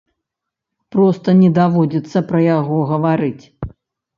Проста не даводзіцца пра яго гаварыць.